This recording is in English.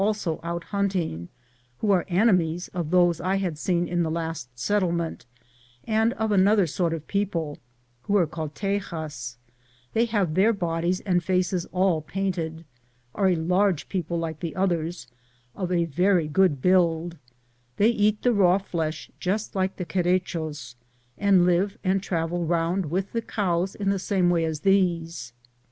were out hunting, who are enemies of those that I had seen in the last settlement, and of another sort of people who are called Teyas; they have their bodies and faces all painted, are a large people like the others, of a very good build ; they eat the raw flesh just like the Querechos, and live and travel round with the cows in the same way as these.